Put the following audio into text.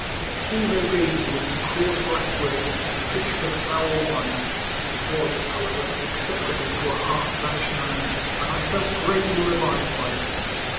All they gave me was some coarse black bread, and a pitcher of sour wine. It was, however, acceptable to a half famished man ; and I felt greatly revived by it.